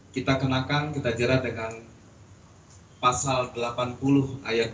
kita kenakan kita jerat dengan pasal delapan puluh ayat dua